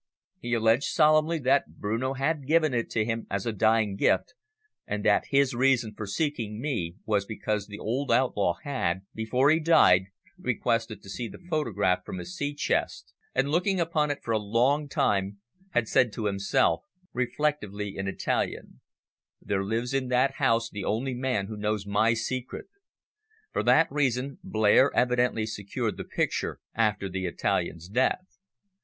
"He alleged solemnly that Bruno had given it to him as a dying gift, and that his reason for seeking me was because the old outlaw had, before he died, requested to see the photograph from his sea chest, and looking upon it for a long time, had said to himself reflectively in Italian, `There lives in that house the only man who knows my secret.' For that reason Blair evidently secured the picture after the Italian's death.